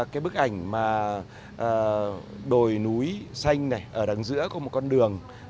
cái bức ảnh mà đồi núi xanh này ở đằng giữa có một con đường